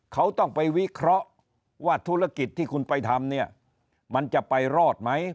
เขาต้องไปวิเคราะห์ว่าธุรกิจที่คุณไปทำเนี่ยมันจะไปรอดไหม